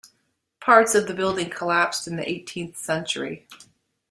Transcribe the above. Parts of the building collapsed in the eighteenth century.